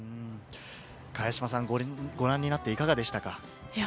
ご覧になっていかがでしたか？